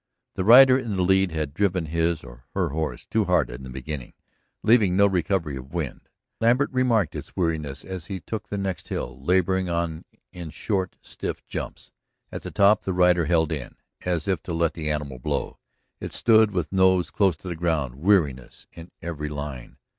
The rider in the lead had driven his or her horse too hard in the beginning, leaving no recovery of wind. Lambert remarked its weariness as it took the next hill, laboring on in short, stiff jumps. At the top the rider held in, as if to let the animal blow. It stood with nose close to the ground, weariness in every line.